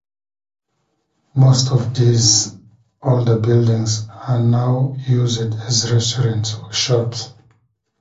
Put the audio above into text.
Most of these older buildings are now used as restaurants or shops.